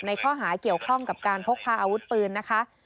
ข้อหาเกี่ยวข้องกับการพกพาอาวุธปืนนะคะ